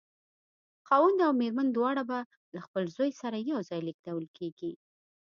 خاوند او مېرمن دواړه به له خپل زوی سره یو ځای لېږدول کېږي.